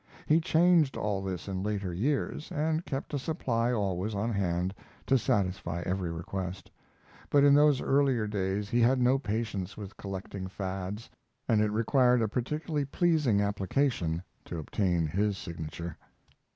He changed all this in later years, and kept a supply always on hand to satisfy every request; but in those earlier days he had no patience with collecting fads, and it required a particularly pleasing application to obtain his signature.